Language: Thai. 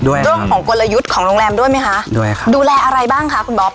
เรื่องของกลยุทธ์ของโรงแรมด้วยไหมคะด้วยครับดูแลอะไรบ้างคะคุณบ๊อบ